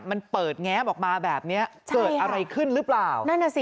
มันเปิดแง้มออกมาแบบเนี้ยเกิดอะไรขึ้นหรือเปล่านั่นน่ะสิ